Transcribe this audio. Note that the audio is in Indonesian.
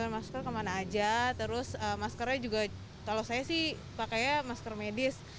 masker kemana aja terus maskernya juga kalau saya sih pakainya masker medis